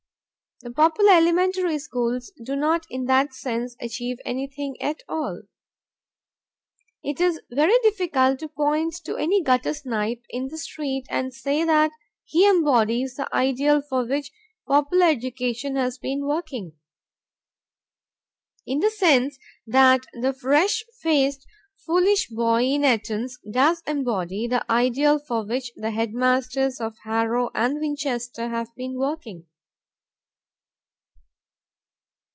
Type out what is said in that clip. The popular elementary schools do not in that sense achieve anything at all. It is very difficult to point to any guttersnipe in the street and say that he embodies the ideal for which popular education has been working, in the sense that the fresh faced, foolish boy in "Etons" does embody the ideal for which the headmasters of Harrow and Winchester have been working.